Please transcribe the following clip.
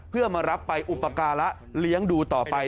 เพื่อมารับไปอุปการะเลี้ยงดูต่อไป